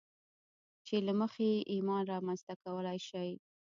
چې له مخې يې ايمان رامنځته کولای شئ.